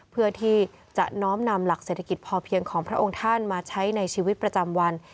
เพื่อที่จะน้อมนำหลักเศรษฐกิจพอเพียงของพระองค์ท่านมาใช้ในชีวิตประจำวัน